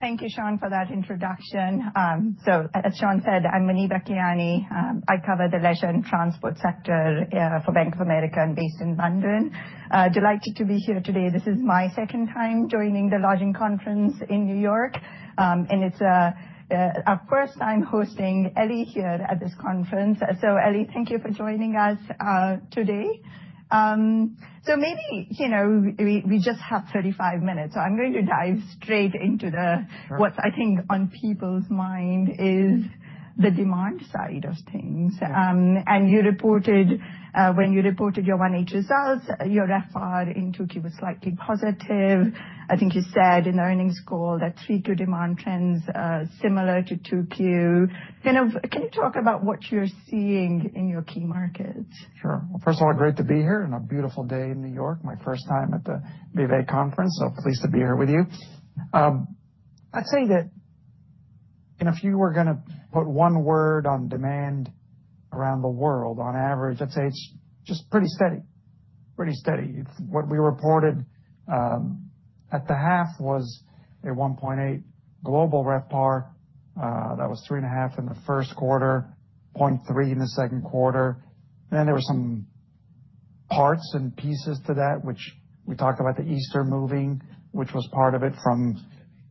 Thank you, Sean, for that introduction. So, as Sean said, I'm Muneeba Kayani. I cover the leisure and transport sector for Bank of America and based in London. Delighted to be here today. This is my second time joining the Lodging Conference in New York, and it's our first time hosting Elie here at this conference. So, Elie, thank you for joining us today. So maybe we just have 35 minutes, so I'm going to dive straight into what's, I think, on people's mind is the demand side of things. And when you reported your 1H results, your RevPAR in Turkey was slightly positive. I think you said in the earnings call that 3Q demand trends are similar to 2Q. Can you talk about what you're seeing in your key markets? Sure. Well, first of all, great to be here on a beautiful day in New York, my first time at the Bank of America Conference, so pleased to be here with you. I'd say that if you were going to put one word on demand around the world, on average, I'd say it's just pretty steady, pretty steady. What we reported at the half was a 1.8% global RevPAR. That was 3.5% in the first quarter, 0.3% in the second quarter. And then there were some parts and pieces to that, which we talked about the Easter moving, which was part of it from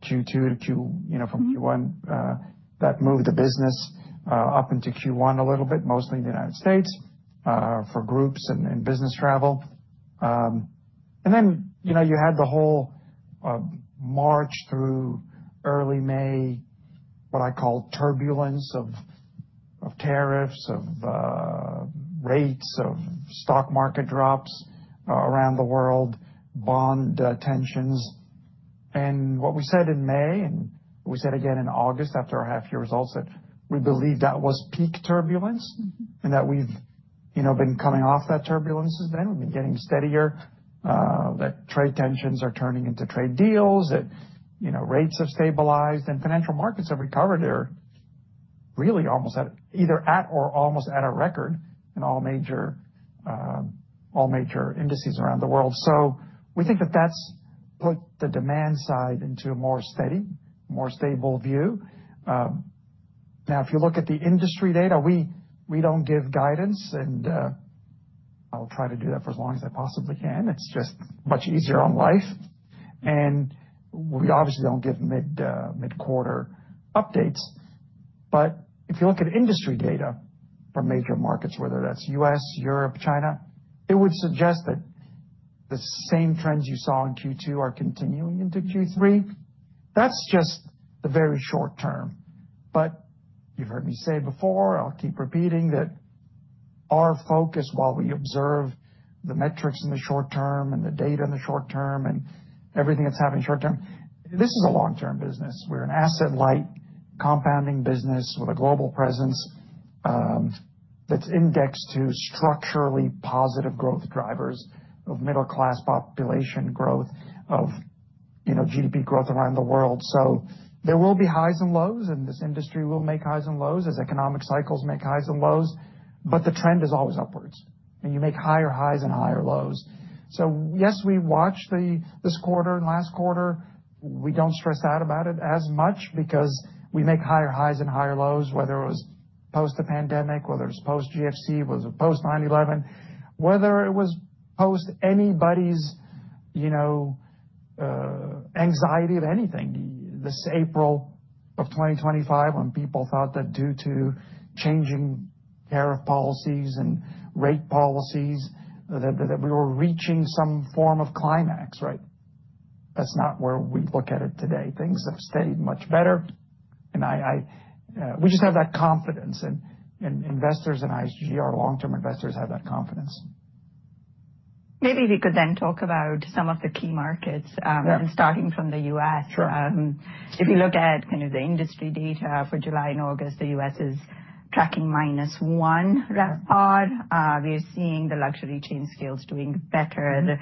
Q2 to Q1. That moved the business up into Q1 a little bit, mostly in the United States for groups and business travel. And then you had the whole March through early May, what I call turbulence of tariffs, of rates, of stock market drops around the world, bond tensions. And what we said in May, and we said again in August after our half-year results, that we believe that was peak turbulence and that we've been coming off that turbulence since then. We've been getting steadier, that trade tensions are turning into trade deals, that rates have stabilized, and financial markets have recovered really either at or almost at a record in all major indices around the world. So we think that that's put the demand side into a more steady, more stable view. Now, if you look at the industry data, we don't give guidance, and I'll try to do that for as long as I possibly can. It's just much easier on life. And we obviously don't give mid-quarter updates. But if you look at industry data for major markets, whether that's U.S., Europe, China, it would suggest that the same trends you saw in Q2 are continuing into Q3. That's just the very short term. But you've heard me say before, I'll keep repeating, that our focus while we observe the metrics in the short term and the data in the short term and everything that's happening in the short term, this is a long-term business. We're an asset-light compounding business with a global presence that's indexed to structurally positive growth drivers of middle-class population growth, of GDP growth around the world. So there will be highs and lows, and this industry will make highs and lows as economic cycles make highs and lows. But the trend is always upwards. And you make higher highs and higher lows. So yes, we watched this quarter and last quarter. We don't stress out about it as much because we make higher highs and higher lows, whether it was post the pandemic, whether it was post GFC, whether it was post 9/11, whether it was post anybody's anxiety of anything this April of 2025 when people thought that due to changing tariff policies and rate policies, that we were reaching some form of climax, right? That's not where we look at it today. Things have stayed much better. And we just have that confidence. And investors in IHG, our long-term investors, have that confidence. Maybe if you could then talk about some of the key markets, starting from the U.S. Sure. If you look at kind of the industry data for July and August, the U.S. is tracking -1% RevPAR. We are seeing the luxury chain scales doing better.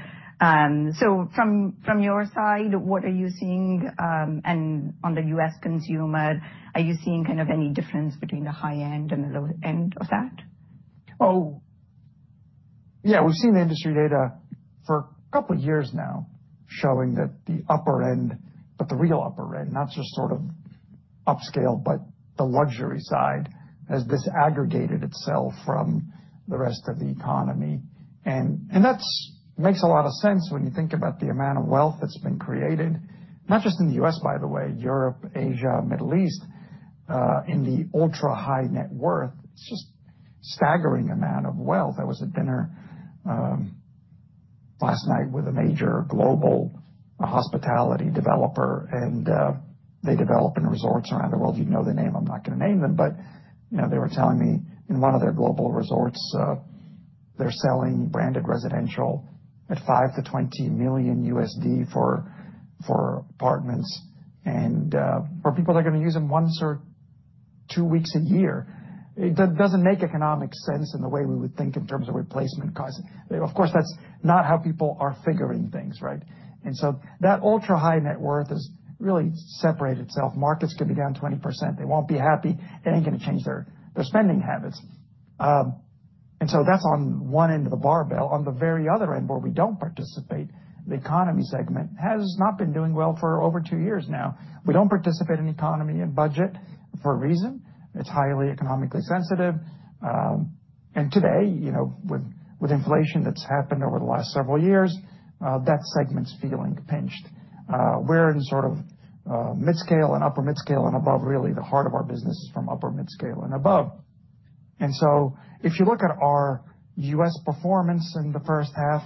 So from your side, what are you seeing? And on the U.S. consumer, are you seeing kind of any difference between the high end and the low end of that? Oh, yeah, we've seen the industry data for a couple of years now showing that the upper end, but the real upper end, not just sort of upscale, but the luxury side, has disaggregated itself from the rest of the economy, and that makes a lot of sense when you think about the amount of wealth that's been created, not just in the U.S., by the way, Europe, Asia, Middle East, in the ultra-high net worth. It's just a staggering amount of wealth. I was at dinner last night with a major global hospitality developer, and they develop resorts around the world. You know the name. I'm not going to name them, but they were telling me in one of their global resorts, they're selling branded residential at $5 million-$20 million for apartments for people that are going to use them one or two weeks a year. It doesn't make economic sense in the way we would think in terms of replacement costs. Of course, that's not how people are figuring things, right, and so that ultra-high net worth has really separated itself. Markets can be down 20%. They won't be happy. They ain't going to change their spending habits, and so that's on one end of the barbell. On the very other end, where we don't participate, the economy segment has not been doing well for over two years now. We don't participate in economy and budget for a reason. It's highly economically sensitive, and today, with inflation that's happened over the last several years, that segment's feeling pinched. We're in sort of midscale and upper midscale and above, really. The heart of our business is from upper midscale and above. And so if you look at our U.S. performance in the first half,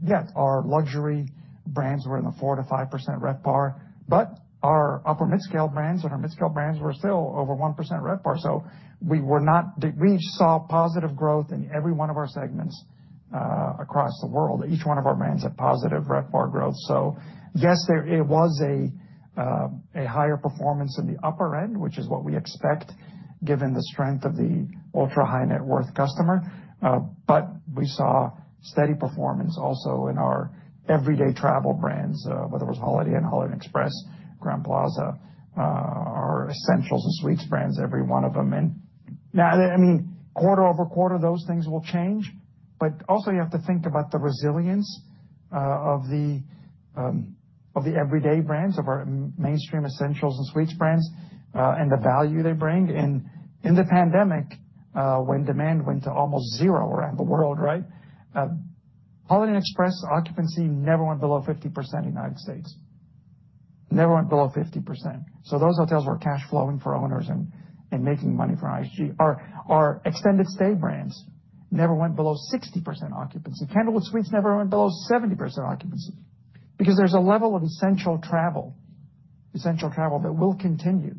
yes, our luxury brands were in the 4%-5% RevPAR, but our upper midscale brands and our midscale brands were still over 1% RevPAR. So we saw positive growth in every one of our segments across the world. Each one of our brands had positive RevPAR growth. So yes, there was a higher performance in the upper end, which is what we expect given the strength of the ultra-high net worth customer. But we saw steady performance also in our everyday travel brands, whether it was Holiday Inn, Holiday Inn Express, Crowne Plaza, our Essentials and Suites brands, every one of them. And now, I mean, quarter over quarter, those things will change. But also you have to think about the resilience of the everyday brands, of our mainstream Essentials and Suites brands, and the value they bring. And in the pandemic, when demand went to almost zero around the world, right, Holiday Inn Express occupancy never went below 50% in the United States, never went below 50%. So those hotels were cash flowing for owners and making money for IHG. Our extended stay brands never went below 60% occupancy. Candlewood Suites never went below 70% occupancy because there's a level of essential travel, essential travel that will continue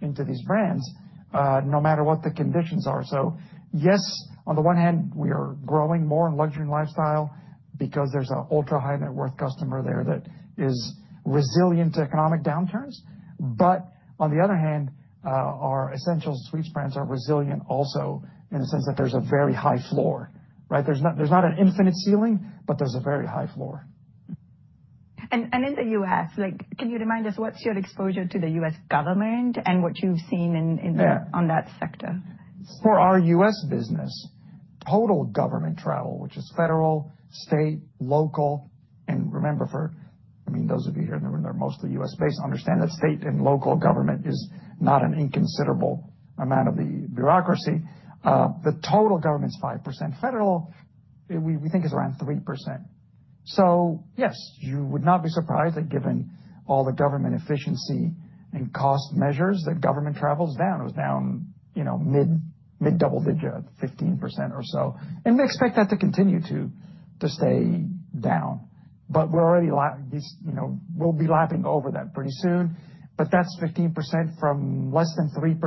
into these brands no matter what the conditions are. So yes, on the one hand, we are growing more in Luxury and Lifestyle because there's an ultra-high net worth customer there that is resilient to economic downturns. But on the other hand, our Essentials and Suites brands are resilient also in the sense that there's a very high floor, right? There's not an infinite ceiling, but there's a very high floor. In the U.S., can you remind us what's your exposure to the U.S. government and what you've seen on that sector? For our U.S. business, total government travel, which is federal, state, local, and remember, I mean, those of you here in the room that are mostly U.S.-based understand that state and local government is not an inconsiderable amount of the bureaucracy. The total government's 5%. Federal, we think, is around 3%. So yes, you would not be surprised that given all the government efficiency and cost measures, that government travel's down. It was down mid-double digit, 15% or so. And we expect that to continue to stay down. But we'll be lapping over that pretty soon. But that's 15% from less than 3%.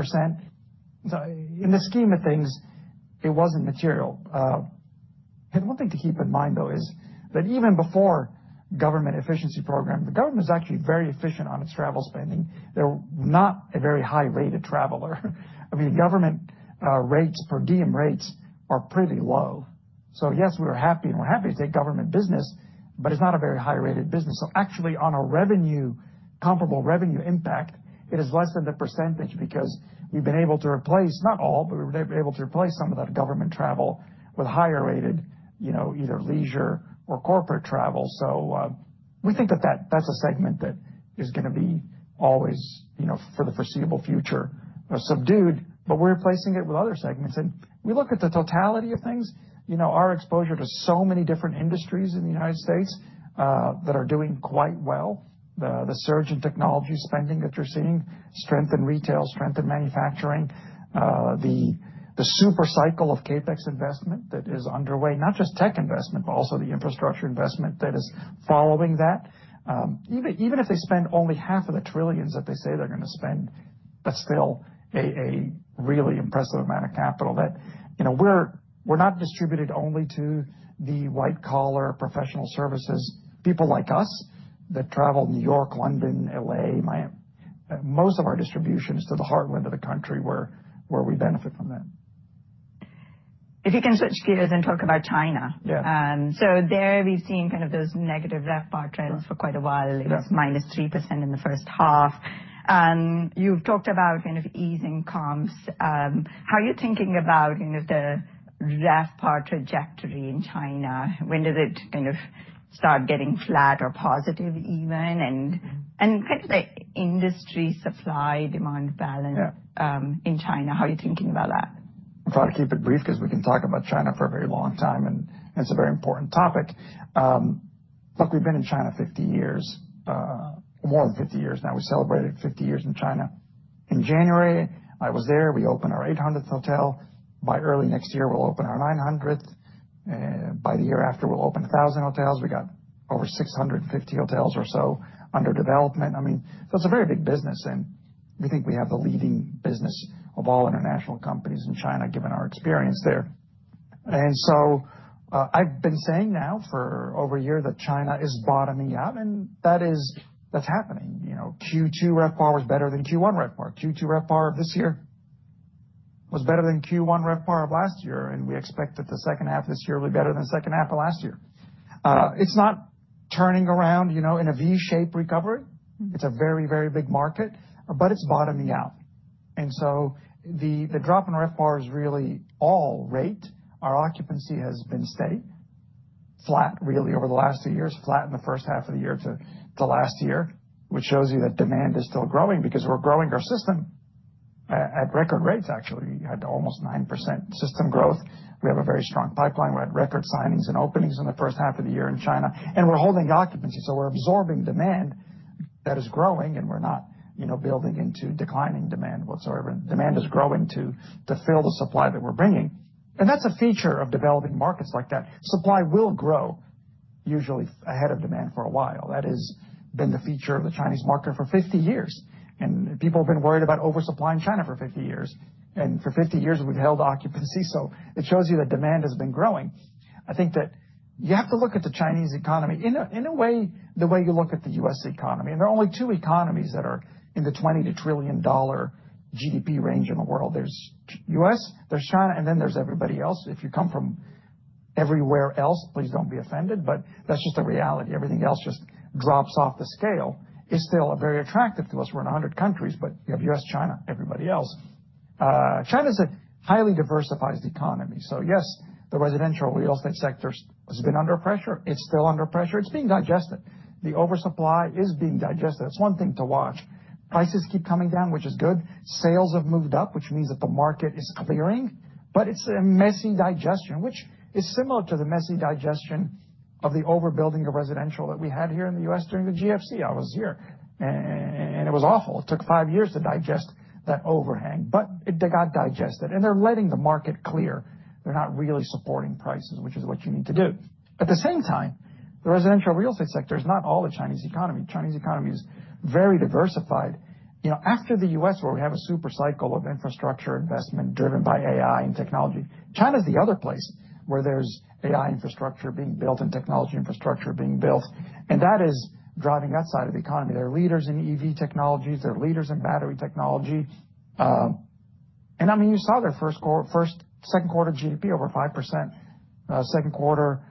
So in the scheme of things, it wasn't material. And one thing to keep in mind, though, is that even before government efficiency program, the government was actually very efficient on its travel spending. They're not a very high-rated traveler. I mean, government rates per diem rates are pretty low. So yes, we were happy, and we're happy to take government business, but it's not a very high-rated business. So actually, on a revenue, comparable revenue impact, it is less than the percentage because we've been able to replace not all, but we've been able to replace some of that government travel with higher-rated either leisure or corporate travel. So we think that that's a segment that is going to be always for the foreseeable future subdued. But we're replacing it with other segments. And we look at the totality of things. Our exposure to so many different industries in the United States that are doing quite well, the surge in technology spending that you're seeing, strength in retail, strength in manufacturing, the super cycle of CapEx investment that is underway, not just tech investment, but also the infrastructure investment that is following that. Even if they spend only half of the trillions that they say they're going to spend, that's still a really impressive amount of capital. We're not distributed only to the white-collar professional services, people like us that travel New York, London, LA, Miami. Most of our distribution is to the heartland of the country where we benefit from that. If you can switch gears and talk about China. Yeah. There we've seen kind of those negative RevPAR trends for quite a while. It was -3% in the first half. You've talked about kind of easing comps. How are you thinking about kind of the RevPAR trajectory in China? When does it kind of start getting flat or positive even? And kind of the industry supply-demand balance in China, how are you thinking about that? I'll try to keep it brief because we can talk about China for a very long time, and it's a very important topic. Look, we've been in China 50 years, more than 50 years now. We celebrated 50 years in China in January. I was there. We opened our 800th hotel. By early next year, we'll open our 900th. By the year after, we'll open 1,000 hotels. We got over 650 hotels or so under development. I mean, so it's a very big business. And we think we have the leading business of all international companies in China, given our experience there. And so I've been saying now for over a year that China is bottoming out, and that's happening. Q2 RevPAR was better than Q1 RevPAR. Q2 RevPAR of this year was better than Q1 RevPAR of last year. We expect that the second half of this year will be better than the second half of last year. It's not turning around in a V-shaped recovery. It's a very, very big market, but it's bottoming out. And so the drop in RevPAR is really all rate. Our occupancy has been steady, flat, really, over the last two years, flat in the first half of the year to last year, which shows you that demand is still growing because we're growing our system at record rates, actually. We had almost 9% system growth. We have a very strong pipeline. We had record signings and openings in the first half of the year in China. And we're holding occupancy. So we're absorbing demand that is growing, and we're not building into declining demand whatsoever. Demand is growing to fill the supply that we're bringing. And that's a feature of developing markets like that. Supply will grow usually ahead of demand for a while. That has been the feature of the Chinese market for 50 years. And people have been worried about oversupplying China for 50 years. And for 50 years, we've held occupancy. So it shows you that demand has been growing. I think that you have to look at the Chinese economy in a way the way you look at the U.S. economy. And there are only two economies that are in the 20 to trillion dollar GDP range in the world. There's U.S., there's China, and then there's everybody else. If you come from everywhere else, please don't be offended. But that's just a reality. Everything else just drops off the scale. It's still very attractive to us. We're in 100 countries, but you have U.S., China, everybody else. China is a highly diversified economy. So yes, the residential real estate sector has been under pressure. It's still under pressure. It's being digested. The oversupply is being digested. That's one thing to watch. Prices keep coming down, which is good. Sales have moved up, which means that the market is clearing. But it's a messy digestion, which is similar to the messy digestion of the overbuilding of residential that we had here in the U.S. during the GFC. I was here, and it was awful. It took five years to digest that overhang. But they got digested. And they're letting the market clear. They're not really supporting prices, which is what you need to do. At the same time, the residential real estate sector is not all the Chinese economy. The Chinese economy is very diversified. After the U.S., where we have a super cycle of infrastructure investment driven by AI and technology, China is the other place where there's AI infrastructure being built and technology infrastructure being built, and that is driving that side of the economy. They're leaders in EV technologies. They're leaders in battery technology, and I mean, you saw their first second quarter GDP over 5%. Second quarter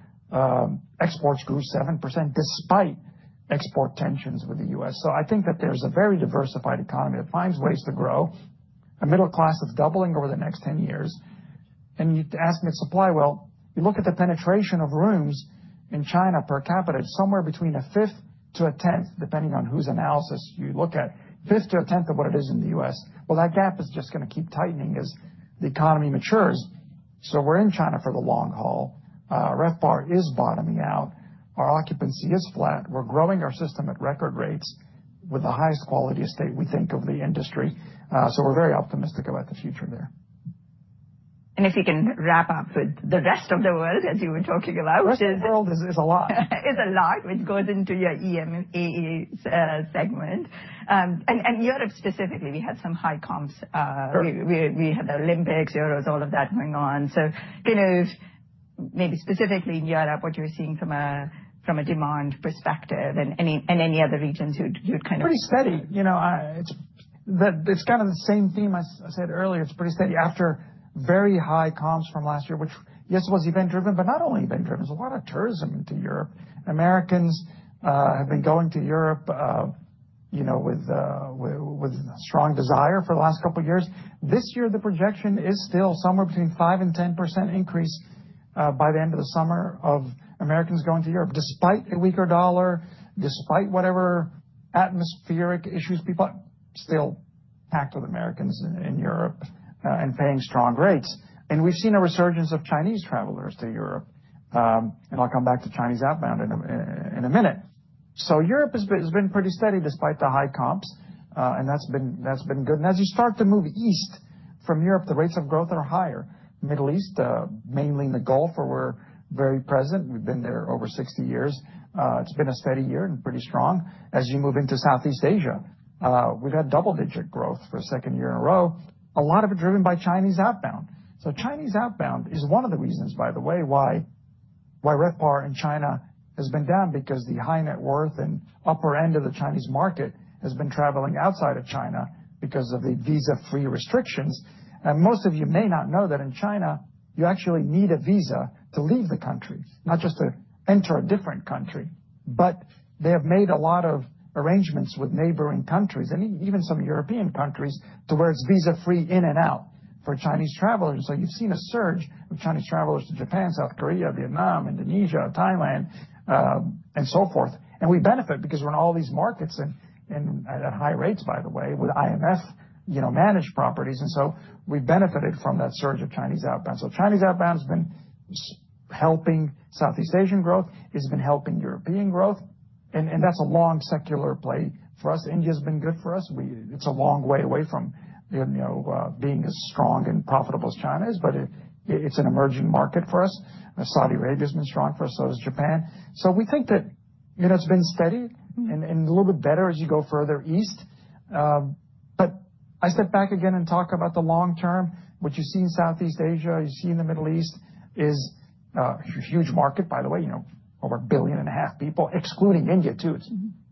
exports grew 7% despite export tensions with the U.S., so I think that there's a very diversified economy that finds ways to grow. A middle class is doubling over the next 10 years, and you ask me its supply; well, you look at the penetration of rooms in China per capita, it's somewhere between a fifth to a tenth, depending on whose analysis you look at, fifth to a 10th of what it is in the U.S. That gap is just going to keep tightening as the economy matures. So we're in China for the long haul. RevPAR is bottoming out. Our occupancy is flat. We're growing our system at record rates with the highest quality estate we think of the industry. So we're very optimistic about the future there. And if you can wrap up with the rest of the world, as you were talking about, which is. The rest of the world is a lot. It's a lot, which goes into your EMEA segment. And Europe specifically, we had some high comps. We had the Olympics, Euros, all of that going on. So kind of maybe specifically in Europe, what you're seeing from a demand perspective and any other regions you'd kind of. Pretty steady. It's kind of the same theme I said earlier. It's pretty steady after very high comps from last year, which yes, was event-driven, but not only event-driven. There's a lot of tourism into Europe. Americans have been going to Europe with a strong desire for the last couple of years. This year, the projection is still somewhere between 5% and 10% increase by the end of the summer of Americans going to Europe. Despite a weaker dollar, despite whatever atmospheric issues, people are still packed with Americans in Europe and paying strong rates, and we've seen a resurgence of Chinese travelers to Europe, and I'll come back to Chinese outbound in a minute, so Europe has been pretty steady despite the high comps, and that's been good, and as you start to move east from Europe, the rates of growth are higher. Middle East, mainly in the Gulf, where we're very present. We've been there over 60 years. It's been a steady year and pretty strong. As you move into Southeast Asia, we've had double-digit growth for a second year in a row. A lot of it driven by Chinese outbound. So Chinese outbound is one of the reasons, by the way, why RevPAR in China has been down, because the high net worth and upper end of the Chinese market has been traveling outside of China because of the visa-free restrictions. And most of you may not know that in China, you actually need a visa to leave the country, not just to enter a different country. But they have made a lot of arrangements with neighboring countries, and even some European countries, to where it's visa-free in and out for Chinese travelers. And so you've seen a surge of Chinese travelers to Japan, South Korea, Vietnam, Indonesia, Thailand, and so forth. And we benefit because we're in all these markets at high rates, by the way, with IHG-managed properties. And so we benefited from that surge of Chinese outbound. So Chinese outbound has been helping Southeast Asian growth. It's been helping European growth. And that's a long secular play for us. India has been good for us. It's a long way away from being as strong and profitable as China is, but it's an emerging market for us. Saudi Arabia has been strong for us. So has Japan. So we think that it's been steady and a little bit better as you go further east. But I step back again and talk about the long-term. What you see in Southeast Asia, you see in the Middle East, is a huge market, by the way, over a billion and a half people, excluding India, too. It's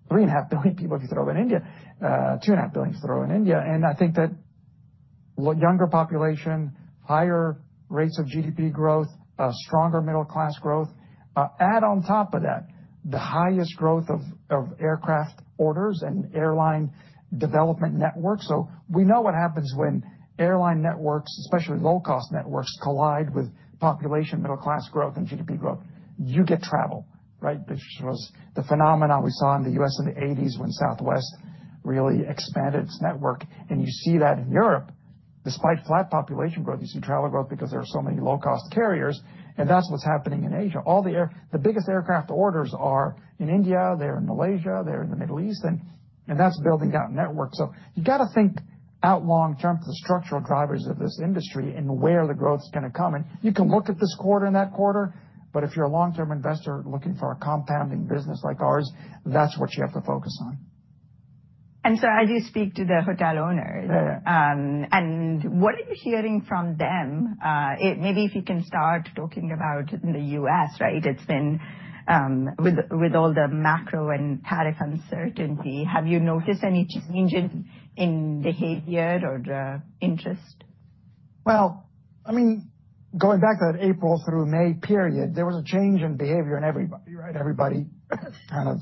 three and a half billion people if you throw in India, two and a half billion if you throw in India. And I think that younger population, higher rates of GDP growth, stronger middle-class growth, add on top of that the highest growth of aircraft orders and airline development networks. So we know what happens when airline networks, especially low-cost networks, collide with population, middle-class growth, and GDP growth. You get travel, right? This was the phenomenon we saw in the U.S. in the 1980s when Southwest really expanded its network. And you see that in Europe. Despite flat population growth, you see travel growth because there are so many low-cost carriers. And that's what's happening in Asia. The biggest aircraft orders are in India. They're in Malaysia. They're in the Middle East. And that's building out networks. So you've got to think long term for the structural drivers of this industry and where the growth is going to come. And you can look at this quarter and that quarter. But if you're a long-term investor looking for a compounding business like ours, that's what you have to focus on. And so as you speak to the hotel owners, and what are you hearing from them? Maybe if you can start talking about the U.S., right? It's been with all the macro and tariff uncertainty. Have you noticed any change in behavior or interest? I mean, going back to that April through May period, there was a change in behavior in everybody, right? Everybody kind of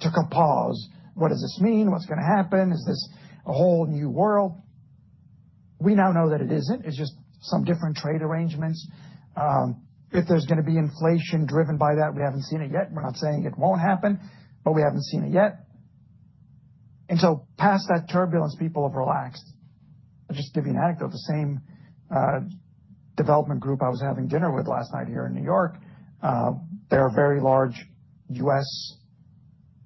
took a pause. What does this mean? What's going to happen? Is this a whole new world? We now know that it isn't. It's just some different trade arrangements. If there's going to be inflation driven by that, we haven't seen it yet. We're not saying it won't happen, but we haven't seen it yet. And so past that turbulence, people have relaxed. I'll just give you an anecdote. The same development group I was having dinner with last night here in New York, they're a very large U.S.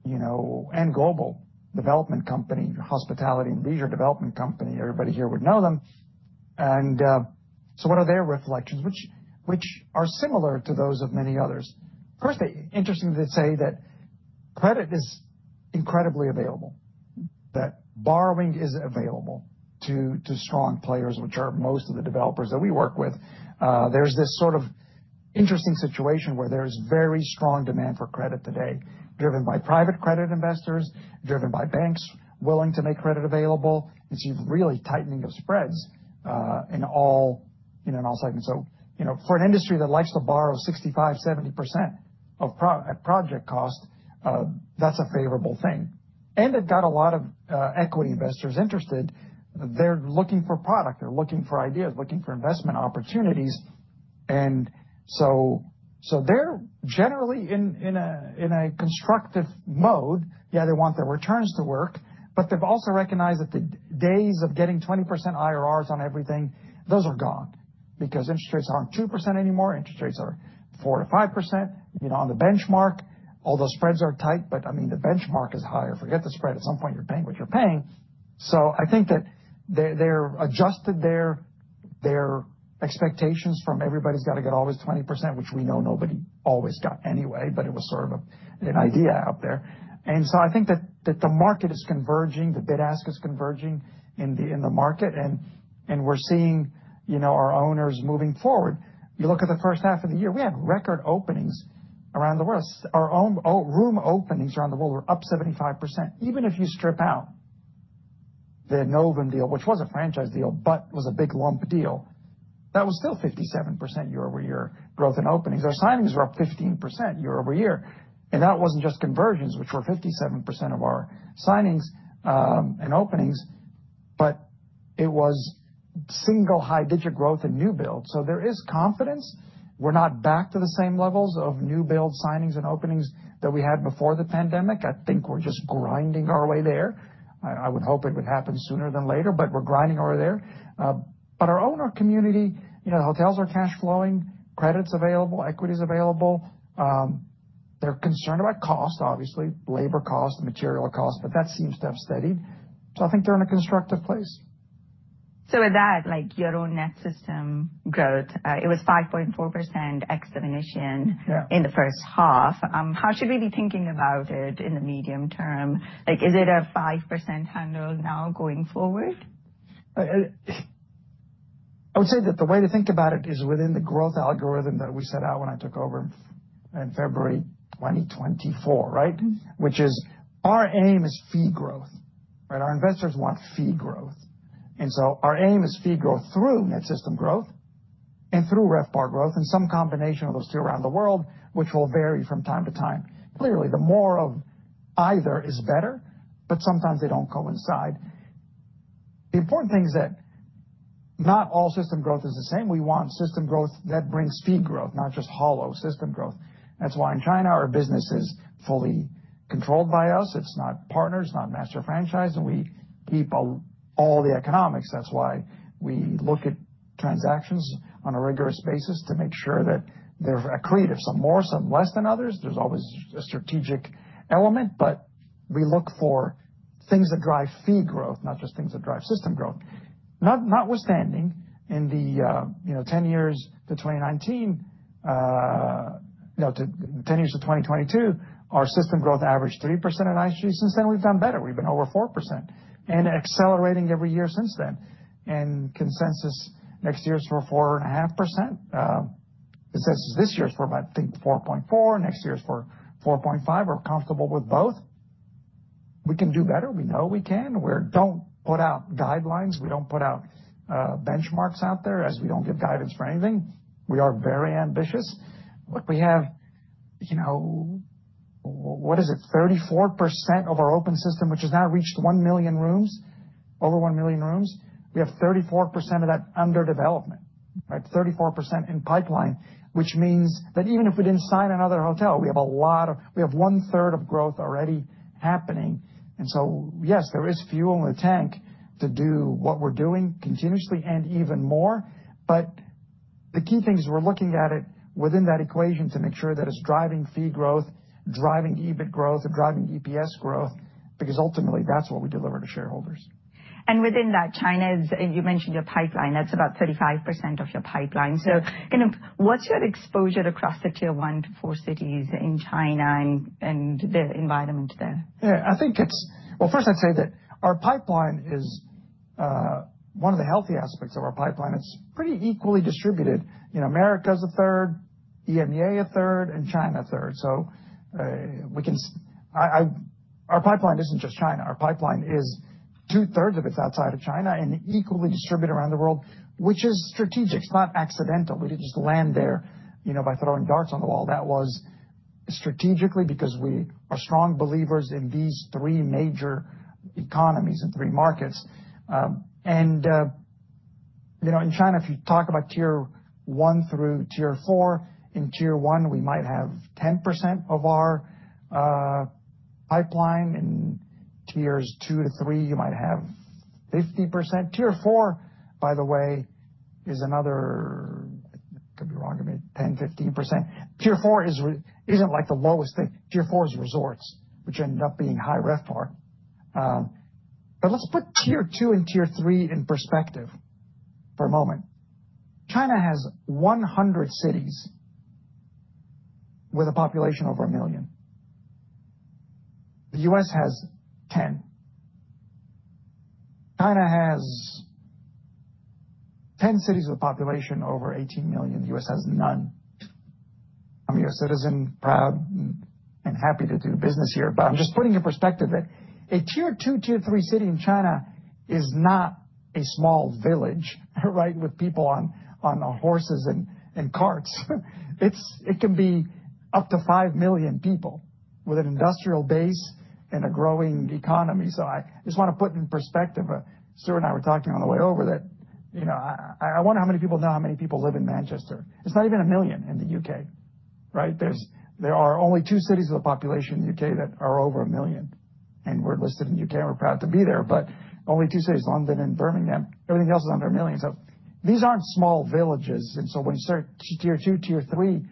and global development company, hospitality and leisure development company. Everybody here would know them. And so what are their reflections, which are similar to those of many others? First, interesting to say that credit is incredibly available. That borrowing is available to strong players, which are most of the developers that we work with. There's this sort of interesting situation where there's very strong demand for credit today, driven by private credit investors, driven by banks willing to make credit available. And so you have really tightening of spreads in all segments. So for an industry that likes to borrow 65%, 70% of project cost, that's a favorable thing. And they've got a lot of equity investors interested. They're looking for product. They're looking for ideas, looking for investment opportunities. And so they're generally in a constructive mode. Yeah, they want their returns to work. But they've also recognized that the days of getting 20% IRRs on everything, those are gone because interest rates aren't 2% anymore. Interest rates are 4%-5% on the benchmark. Although spreads are tight, but I mean, the benchmark is higher. Forget the spread. At some point, you're paying what you're paying. So I think that they've adjusted their expectations from everybody's got to get always 20%, which we know nobody always got anyway, but it was sort of an idea out there. And so I think that the market is converging. The bid-ask is converging in the market. And we're seeing our owners moving forward. You look at the first half of the year, we had record openings around the world. Our room openings around the world were up 75%. Even if you strip out the Novum deal, which was a franchise deal, but was a big lump deal, that was still 57% year over year growth and openings. Our signings were up 15% year-over-year. And that wasn't just conversions, which were 57% of our signings and openings, but it was single high-digit growth in new builds. So there is confidence. We're not back to the same levels of new build signings and openings that we had before the pandemic. I think we're just grinding our way there. I would hope it would happen sooner than later, but we're grinding our way there. But our owner community, the hotels are cash flowing, credit's available, equity's available. They're concerned about cost, obviously, labor cost, material cost, but that seems to have steadied. So I think they're in a constructive place. With that, like your own net system growth, it was 5.4% ex-China in the first half. How should we be thinking about it in the medium term? Is it a 5% handle now going forward? I would say that the way to think about it is within the growth algorithm that we set out when I took over in February 2024, right? Which is our aim is fee growth, right? Our investors want fee growth. And so our aim is fee growth through net system growth and through RevPAR growth and some combination of those two around the world, which will vary from time to time. Clearly, the more of either is better, but sometimes they don't coincide. The important thing is that not all system growth is the same. We want system growth that brings fee growth, not just hollow system growth. That's why in China, our business is fully controlled by us. It's not partners, not master franchise. And we keep all the economics. That's why we look at transactions on a rigorous basis to make sure that they're accretive, some more, some less than others. There's always a strategic element. But we look for things that drive fee growth, not just things that drive system growth. Notwithstanding, in the 10 years to 2019, no, 10 years to 2022, our system growth averaged 3% in IHG. Since then, we've done better. We've been over 4% and accelerating every year since then. And consensus next year is for 4.5%. Consensus this year is for, I think, 4.4%. Next year is for 4.5%. We're comfortable with both. We can do better. We know we can. We don't put out guidelines. We don't put out benchmarks out there as we don't give guidance for anything. We are very ambitious. Look, we have, what is it, 34% of our open system, which has now reached 1 million rooms, over 1 million rooms. We have 34% of that under development, right? 34% in pipeline, which means that even if we didn't sign another hotel, we have a lot of, we have one-third of growth already happening. And so, yes, there is fuel in the tank to do what we're doing continuously and even more. But the key thing is we're looking at it within that equation to make sure that it's driving fee growth, driving EBIT growth, and driving EPS growth, because ultimately, that's what we deliver to shareholders. Within that, China's, you mentioned your pipeline. That's about 35% of your pipeline. Kind of, what's your exposure across the Tier 1 to 4 cities in China and the environment there? Yeah, I think it's, well, first I'd say that our pipeline is one of the healthy aspects of our pipeline. It's pretty equally distributed. America's a third, EMEA a third, and China a third. So our pipeline isn't just China. Our pipeline is two-thirds of it's outside of China and equally distributed around the world, which is strategic. It's not accidental. We didn't just land there by throwing darts on the wall. That was strategically because we are strong believers in these three major economies and three markets. And in China, if you talk about Tier 1 through Tier 4, in Tier 1, we might have 10% of our pipeline. In Tiers 2 to 3, you might have 50%. Tier 4, by the way, is another, could be wrong, maybe 10%-15%. Tier 4 isn't like the lowest thing. Tier 4 is resorts, which ended up being high RevPAR. But let's put Tier 2 and Tier 3 in perspective for a moment. China has 100 cities with a population over a million. The U.S. has 10. China has 10 cities with a population over 18 million. The U.S. has none. I'm your citizen, proud and happy to do business here. But I'm just putting in perspective that a Tier 2, Tier 3 city in China is not a small village, right, with people on horses and carts. It can be up to five million people with an industrial base and a growing economy. So I just want to put in perspective. Stuart and I were talking on the way over that I wonder how many people know how many people live in Manchester. It's not even a million in the U.K., right? There are only two cities with a population in the U.K. that are over a million. We're listed in the U.K. and we're proud to be there. But only two cities, London and Birmingham. Everything else is under a million. So these aren't small villages. And so when you start Tier 2, Tier 3,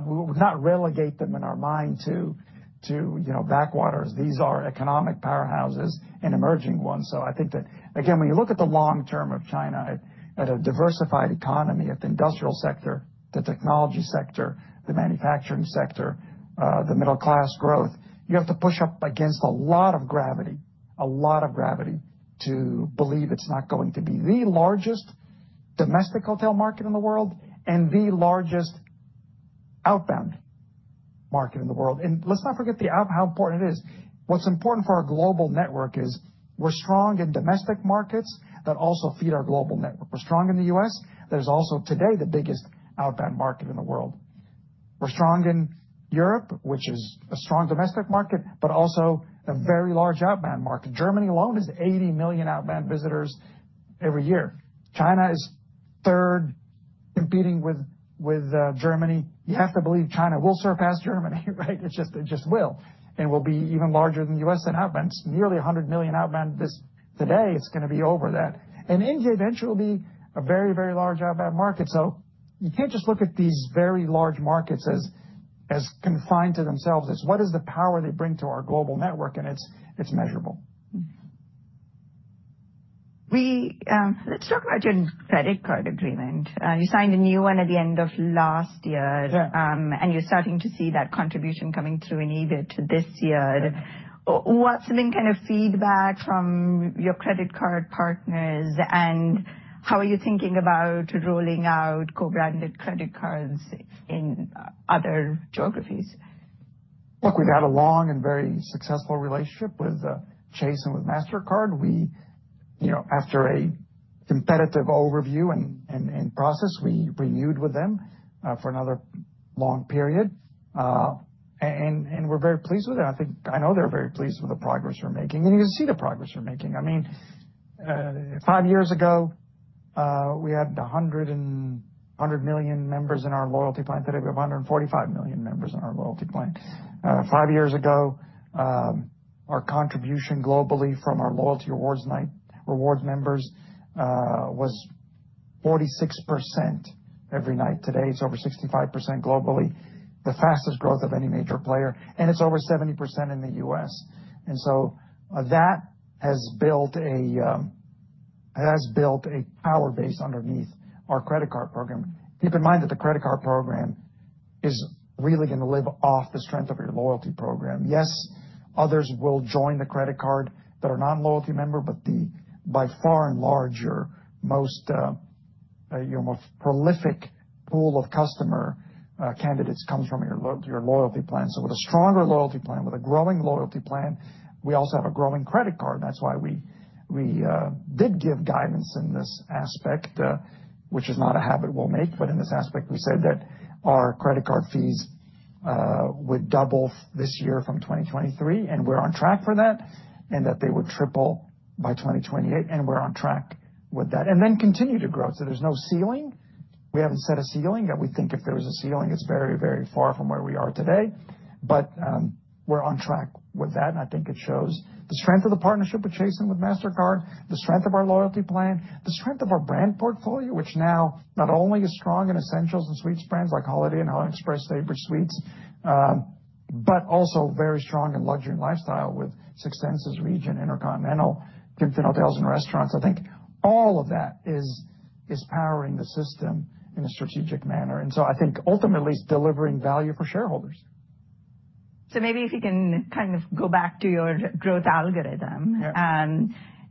we would not relegate them in our mind to backwaters. These are economic powerhouses and emerging ones. So I think that, again, when you look at the long-term of China at a diversified economy, at the industrial sector, the technology sector, the manufacturing sector, the middle-class growth, you have to push up against a lot of gravity, a lot of gravity to believe it's not going to be the largest domestic hotel market in the world and the largest outbound market in the world. And let's not forget how important it is. What's important for our global network is we're strong in domestic markets that also feed our global network. We're strong in the U.S. There's also today the biggest outbound market in the world. We're strong in Europe, which is a strong domestic market, but also a very large outbound market. Germany alone has 80 million outbound visitors every year. China is third, competing with Germany. You have to believe China will surpass Germany, right? It just will. And we'll be even larger than the U.S. in outbound. It's nearly 100 million outbound today. It's going to be over that. And India eventually will be a very, very large outbound market. So you can't just look at these very large markets as confined to themselves. It's what is the power they bring to our global network? And it's measurable. Let's talk about your credit card agreement. You signed a new one at the end of last year. And you're starting to see that contribution coming through in EBIT this year. What's been kind of feedback from your credit card partners? And how are you thinking about rolling out co-branded credit cards in other geographies? Look, we've had a long and very successful relationship with Chase and with Mastercard. After a competitive overview and process, we renewed with them for another long period. And we're very pleased with it. I think I know they're very pleased with the progress we're making. And you can see the progress we're making. I mean, five years ago, we had 100 million members in our loyalty plan. Today, we have 145 million members in our loyalty plan. Five years ago, our contribution globally from our loyalty rewards members was 46% every night. Today, it's over 65% globally, the fastest growth of any major player. And it's over 70% in the U.S. And so that has built a power base underneath our credit card program. Keep in mind that the credit card program is really going to live off the strength of your loyalty program. Yes, others will join the credit card that are not a loyalty member, but the by far larger, most prolific pool of customer candidates comes from your loyalty plan, so with a stronger loyalty plan, with a growing loyalty plan, we also have a growing credit card. That's why we did give guidance in this aspect, which is not a habit we'll make, but in this aspect, we said that our credit card fees would double this year from 2023, and we're on track for that, and that they would triple by 2028, and we're on track with that and then continue to grow, so there's no ceiling. We haven't set a ceiling. We think if there was a ceiling, it's very, very far from where we are today, but we're on track with that. I think it shows the strength of the partnership with Chase and with Mastercard, the strength of our loyalty plan, the strength of our brand portfolio, which now not only is strong in Essentials and Suites brands like Holiday Inn and Holiday Inn Express, Staybridge Suites, but also very strong in Luxury and Lifestyle with Six Senses, Regent, InterContinental, Kimpton Hotels & Restaurants. I think all of that is powering the system in a strategic manner. So I think ultimately it's delivering value for shareholders. So maybe if you can kind of go back to your growth algorithm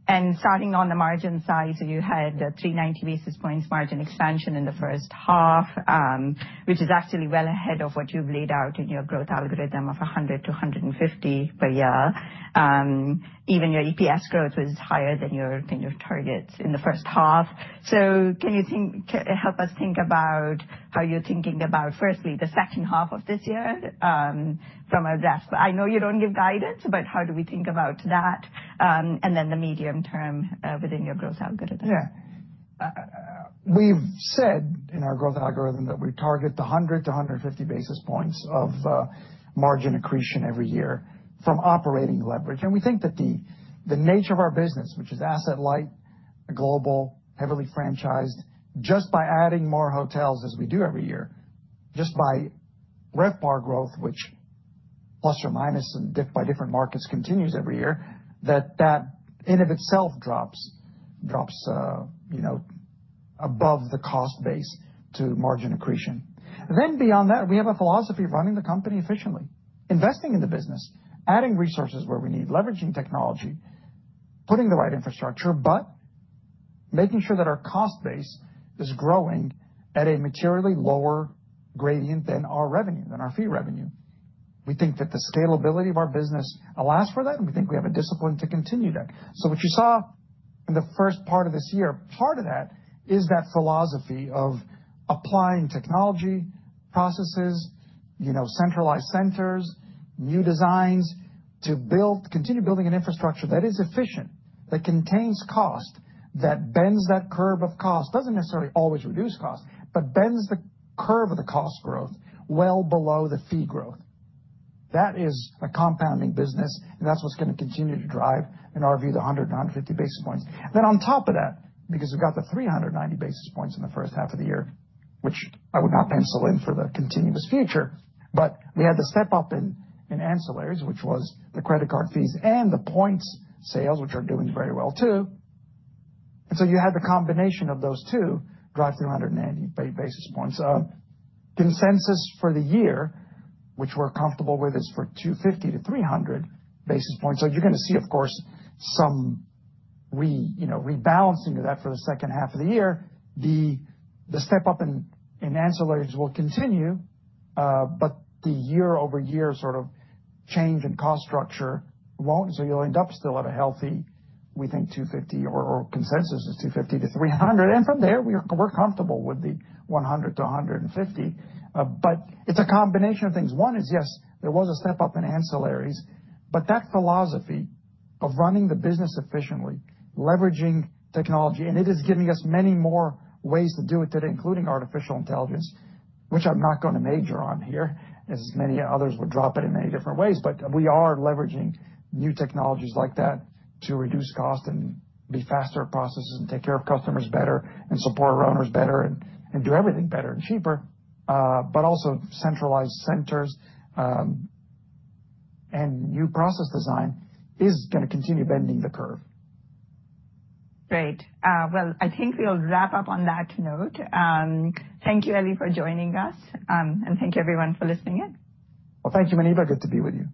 and starting on the margin side. So you had 390 basis points margin expansion in the first half, which is actually well ahead of what you've laid out in your growth algorithm of 100 to 150 per year. Even your EPS growth was higher than your targets in the first half. So can you help us think about how you're thinking about, firstly, the second half of this year from a RevPAR? I know you don't give guidance, but how do we think about that? And then the medium term within your growth algorithm. Yeah. We've said in our growth algorithm that we target the 100 to 150 basis points of margin accretion every year from operating leverage. And we think that the nature of our business, which is asset-light, global, heavily franchised, just by adding more hotels, as we do every year, just by RevPAR growth, which plus or minus and by different markets continues every year, that that in and of itself drops above the cost base to margin accretion. Then beyond that, we have a philosophy of running the company efficiently, investing in the business, adding resources where we need, leveraging technology, putting the right infrastructure, but making sure that our cost base is growing at a materially lower gradient than our revenue, than our fee revenue. We think that the scalability of our business allows for that. And we think we have a discipline to continue that. What you saw in the first part of this year, part of that is that philosophy of applying technology, processes, centralized centers, new designs to continue building an infrastructure that is efficient, that contains cost, that bends that curve of cost, doesn't necessarily always reduce cost, but bends the curve of the cost growth well below the fee growth. That is a compounding business. And that's what's going to continue to drive, in our view, the 100 to 150 basis points. Then on top of that, because we've got the 390 basis points in the first half of the year, which I would not pencil in for the continuous future, but we had the step up in ancillaries, which was the credit card fees and the points sales, which are doing very well too. And so you had the combination of those two drive through 190 basis points. Consensus for the year, which we're comfortable with, is for 250 to 300 basis points, so you're going to see, of course, some rebalancing of that for the second half of the year. The step up in ancillaries will continue, but the year-over-year sort of change in cost structure won't, so you'll end up still at a healthy, we think, 250 or consensus is 250 to 300, and from there, we're comfortable with the 100-150. But it's a combination of things. One is, yes, there was a step up in ancillaries, but that philosophy of running the business efficiently, leveraging technology, and it is giving us many more ways to do it today, including artificial intelligence, which I'm not going to major on here, as many others would drop it in many different ways. But we are leveraging new technologies like that to reduce cost and be faster at processes and take care of customers better and support our owners better and do everything better and cheaper. But also centralized centers and new process design is going to continue bending the curve. Great. Well, I think we'll wrap up on that note. Thank you, Elie, for joining us. And thank you, everyone, for listening in. Thank you, Muneeba. Good to be with you.